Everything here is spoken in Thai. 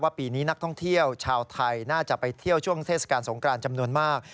ปีนี้นักท่องเที่ยวชาวไทยน่าจะไปเที่ยวช่วงเทศกาลสงกรานจำนวนมาก